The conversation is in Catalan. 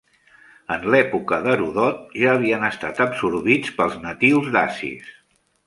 En l'època d'Heròdot ja havien estat absorbits pels natius dacis.